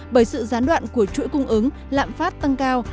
bởi sự gián đoạn của chuỗi cung ứng lạm phát tăng cao